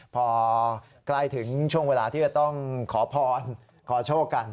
พอใกล้ถึงช่วงเวลาที่จะต้องขอพรขอโชคกัน